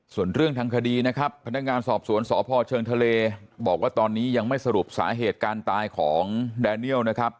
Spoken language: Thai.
ส่วนเรื่องทางคดีนะครับพนักงานสอบสวนสพเชิงทะเลบอกว่าตอนนี้ยังไม่สรุปสาเหตุการตายของแดเนียลนะครับ